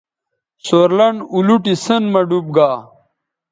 سور لنڈ اولوٹی سیئن مہ ڈوب گا